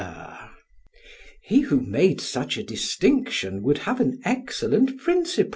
PHAEDRUS: He who made such a distinction would have an excellent principle.